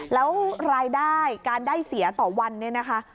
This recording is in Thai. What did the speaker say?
แล้วรายได้การได้เสียต่อวันเนี่ยนะคะ